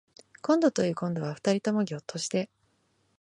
こんどというこんどは二人ともぎょっとして